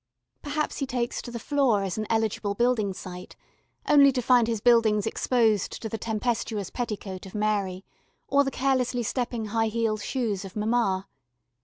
Perhaps he takes to the floor as an eligible building site, only to find his buildings exposed to the tempestuous petticoat of Mary, or the carelessly stepping high heeled shoes of mamma.